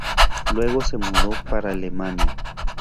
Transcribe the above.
Luego se mudó para Alemania.